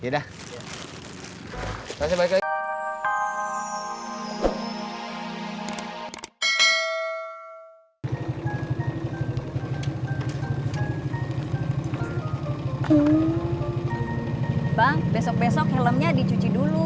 bang besok besok helmnya dicuci dulu